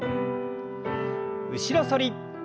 後ろ反り。